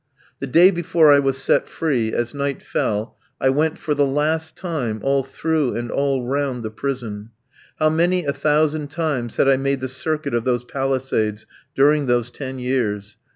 The day before I was set free, as night fell I went for the last time all through and all round the prison. How many a thousand times had I made the circuit of those palisades during those ten years!